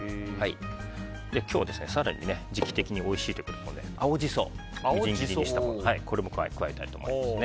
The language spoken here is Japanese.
今日は更に時期的においしい青ジソをみじん切りにしたものも加えたいと思います。